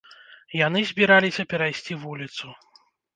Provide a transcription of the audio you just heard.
Яны збіраліся перайсці вуліцу.